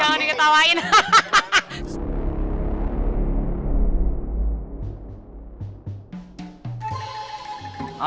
jangan diketawain hahaha